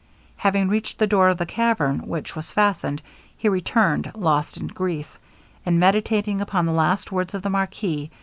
Having reached the door of the cavern, which was fastened, he returned lost in grief, and meditating upon the last words of the marquis.